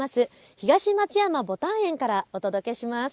東松山ぼたん園からお届けします。